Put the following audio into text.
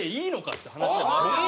って話でもあるから。